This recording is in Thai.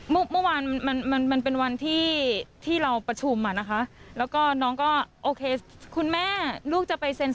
เมื่อวานมันเป็นวันที่เราประชุมมานะคะ